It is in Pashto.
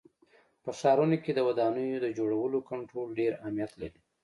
په ښارونو کې د ودانیو د جوړولو کنټرول ډېر اهمیت لري.